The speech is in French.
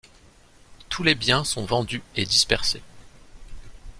Tous les biens sont vendus et dispersés.